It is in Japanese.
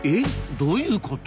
どういうこと？